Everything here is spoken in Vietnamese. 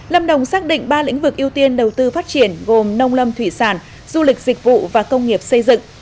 lâm đồng xác định ba lĩnh vực ưu tiên đầu tư phát triển gồm nông lâm thủy sản du lịch dịch vụ và công nghiệp xây dựng